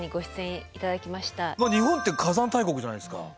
日本って火山大国じゃないですか。